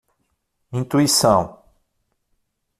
Intuição